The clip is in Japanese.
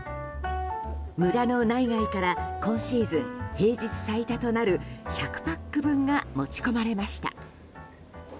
村の内外から今シーズン平日最多となる１００パック分が持ち込まれました。